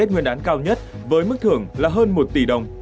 tết nguyên đán cao nhất với mức thưởng là hơn một tỷ đồng